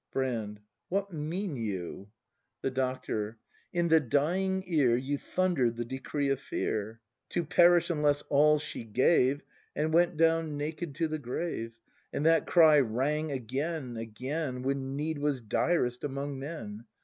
Brand. What mean you ? The Doctor. ^ In the dying ear You thunder'd the decree of fear: To perish, unless All she gave, And went down naked to the grave! And that cry rang again, again, When need was direst among men!